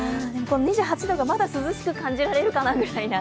２８度がまだ涼しく感じられるかなぐらいな